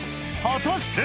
果たして⁉